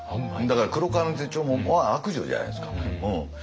だから「黒革の手帖」は悪女じゃないですか。